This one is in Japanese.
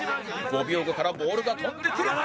５秒後からボールが飛んでくる！